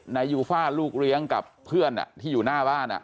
นายยูฟ่าลูกเลี้ยงกับเพื่อนที่อยู่หน้าบ้าน